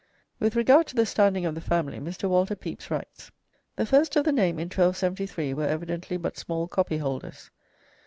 With regard to the standing of the family, Mr. Walter Pepys writes: "The first of the name in 1273 were evidently but small copyholders.